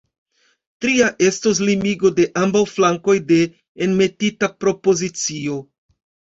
Tria estus limigo de ambaŭ flankoj de enmetita propozicio.